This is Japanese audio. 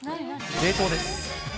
冷凍です。